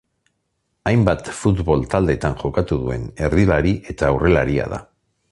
Hainbat futbol taldetan jokatu duen erdilari eta aurrelaria da.